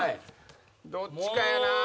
どっちかやな。